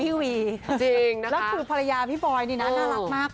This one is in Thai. จริงแล้วคือภรรยาพี่บอยนี่นะน่ารักมาก